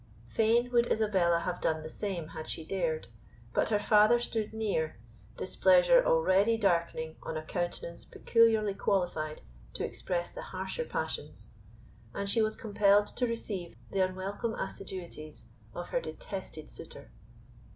Fain would Isabella have done the same had she dared; but her father stood near, displeasure already darkening on a countenance peculiarly qualified to express the harsher passions, and she was compelled to receive the unwelcome assiduities of her detested suitor.